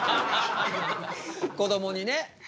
こどもにね。